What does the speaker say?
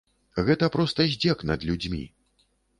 Гэта проста здзек над людзьмі.